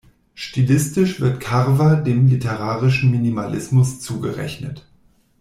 Stilistisch wird Carver dem literarischen Minimalismus zugerechnet.